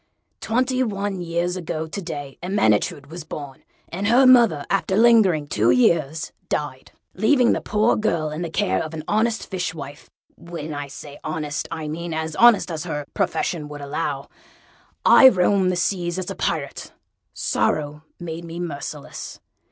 Twenty one years ago to day Ermyntrude was born, and her mother, after lingering two years, died. Leaving the girl in the care of an honest fishwife (when I say honest, I mean, as honest as her profession allowed), I roamed the seas as a Pirate: sorrow made me merciless.